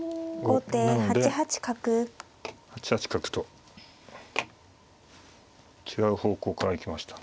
なので８八角と違う方向から行きました。